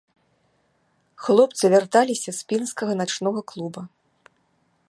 Хлопцы вярталіся з пінскага начнога клуба.